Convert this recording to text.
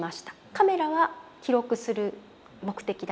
カメラは記録する目的だけです。